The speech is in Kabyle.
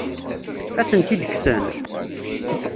Ad tent-id-kksen?